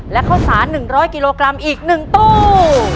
และข้าวสาร๑๐๐กิโลกรัมอีก๑ตู้